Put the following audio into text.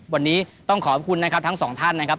วันนี้ต้องขอบคุณนะครับทั้งสองท่านนะครับ